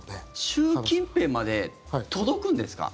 習近平まで届くんですか？